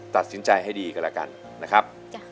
ตัดสินใจให้ดีกันแล้วกันนะครับ